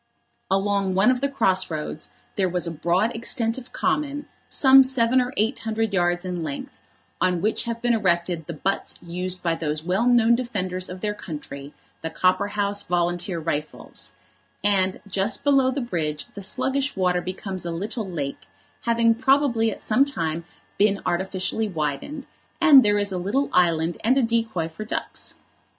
Along one of the cross roads there was a broad extent of common, some seven or eight hundred yards in length, on which have been erected the butts used by those well known defenders of their country, the Copperhouse Volunteer Rifles; and just below the bridge the sluggish water becomes a little lake, having probably at some time been artificially widened, and there is a little island and a decoy for ducks.